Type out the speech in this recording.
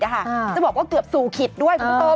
จะบอกว่าเกือบสู่ขิดด้วย